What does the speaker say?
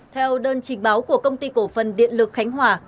theo đơn trình báo của công ty cổ phần điện lực khánh hòa